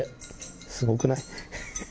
すごくない？